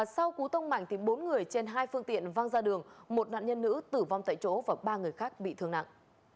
sau cú tông mạnh bốn người trên hai phương tiện văng ra đường một nạn nhân nữ tử vong tại chỗ và ba người khác bị thương nặng